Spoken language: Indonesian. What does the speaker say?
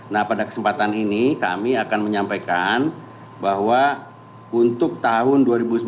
nah pada kesempatan ini kami akan menyampaikan bahwa untuk tahun dua ribu sembilan belas